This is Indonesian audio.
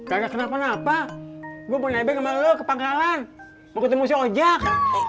enggak kenapa kenapa gue mau nebek sama lu ke pangkalan mau ketemu si ojak